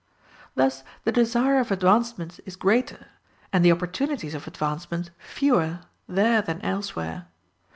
Thus the desire of advancement is greater, and the opportunities of advancement fewer, there than elsewhere.